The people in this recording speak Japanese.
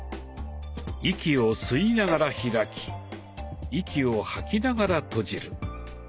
息を吸いながら開き息を吐きながら閉じる。